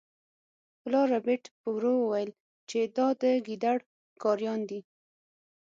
پلار ربیټ په ورو وویل چې دا د ګیدړ ښکاریان دي